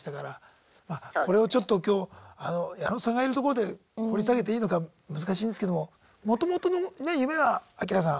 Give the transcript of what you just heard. これをちょっと今日矢野さんがいるところで掘り下げていいのか難しいんですけどももともとのね夢はアキラさん。